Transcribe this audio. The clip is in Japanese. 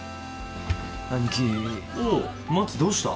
アニキおう松どうした？